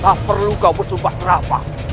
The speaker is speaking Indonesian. tak perlu kau bersumpah serapa